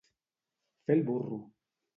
Fer el burro.